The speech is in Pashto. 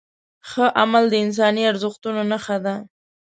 ښه عمل د انساني ارزښتونو نښه ده.